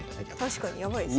確かにやばいですね。